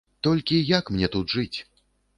Толькі як мне тут жыць?